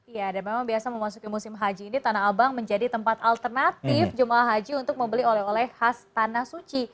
ya dan memang biasa memasuki musim haji ini tanah abang menjadi tempat alternatif jemaah haji untuk membeli oleh oleh khas tanah suci